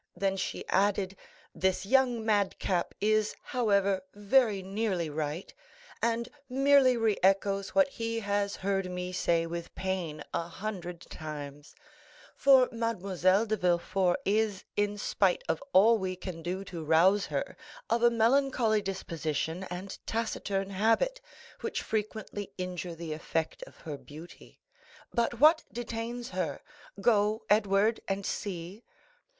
She then added, "This young madcap is, however, very nearly right, and merely re echoes what he has heard me say with pain a hundred times; for Mademoiselle de Villefort is, in spite of all we can do to rouse her, of a melancholy disposition and taciturn habit, which frequently injure the effect of her beauty. But what detains her? Go, Edward, and see."